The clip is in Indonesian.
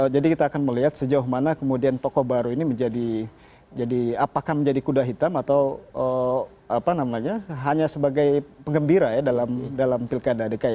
jadi kita akan melihat sejauh mana kemudian tokoh baru ini menjadi apakah menjadi kuda hitam atau apa namanya hanya sebagai pengembira ya dalam pilkada adki